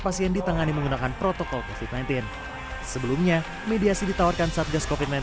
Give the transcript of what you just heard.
pasien ditangani menggunakan protokol kofit sembilan belas sebelumnya mediasi ditawarkan satgas covid sembilan belas